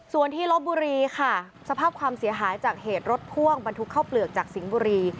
ส่วนที่ลบบุรีค่ะสภาพความเสียหายจากเหตุรถพ่วงบรรทุกข้าวเปลือกจากสิงห์บุรี